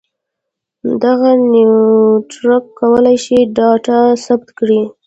دغه نیټورک کولای شي ډاټا ثبت کړي.